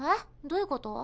どうゆうこと？